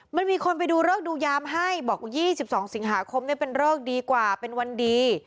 มันมีคนไปดูเลิกดูยามให้บอก๒๒สิงหาคมเป็นเริกดีกว่าเป็นวันดี